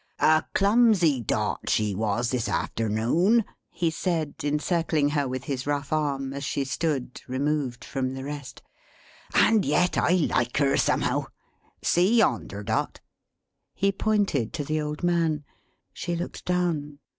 "A clumsy Dot she was, this afternoon!" he said, encircling her with his rough arm, as she stood, removed from the rest; "and yet I like her somehow. See yonder, Dot!" He pointed to the old man. She looked down.